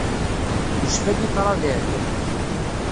Yecfa-d i ṭṭrad iɛeddan.